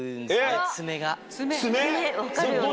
爪分かるよね？